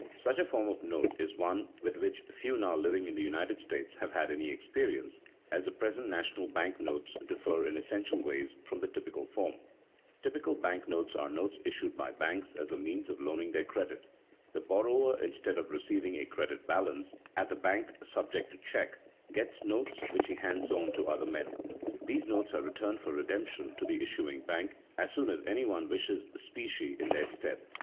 Such a form of note is one with which few now living in the United States have had any experience, as the present national bank notes differ in essential ways from the typical form. Typical bank notes are notes issued by banks as a means of loaning their credit. The borrower, instead of receiving a credit balance at the bank subject to check, gets notes which he hands on to other men. These notes are returned for redemption to the issuing bank as soon as any one wishes specie in their stead.